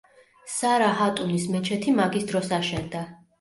სარა ჰატუნის მეჩეთი მაგის დროს აშენდა.